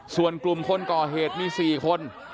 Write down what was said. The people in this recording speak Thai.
ส่วนกลุ่มคนก่อเหตุมี๔คน